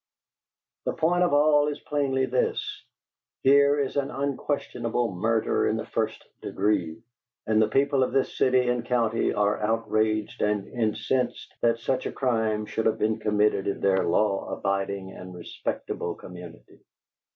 "The point of it all is plainly this: here is an unquestionable murder in the first degree, and the people of this city and county are outraged and incensed that such a crime should have been committed in their law abiding and respectable community.